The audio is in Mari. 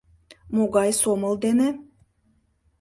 Могай сомыл дене?